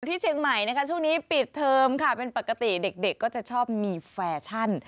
ที่เชียงใหม่นะคะช่วงนี้ปิดเทอมค่ะเป็นปกติเด็กก็จะชอบมีแฟชั่น